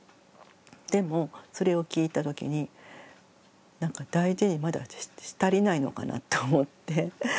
でもそれを聞いたときに大事にまだし足りないのかなと思って。